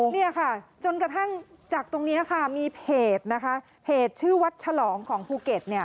เนี่ยค่ะจนกระทั่งจากตรงนี้ค่ะมีเพจนะคะเพจชื่อวัดฉลองของภูเก็ตเนี่ย